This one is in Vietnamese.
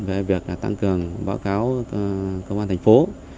về việc tăng cường báo cáo công an thành phố